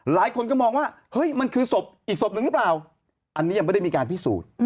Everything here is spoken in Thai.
หลายคนก็มองว่าเฮ้ยมันคือศพอีกศพหนึ่งหรือเปล่าอันนี้ยังไม่ได้มีการพิสูจน์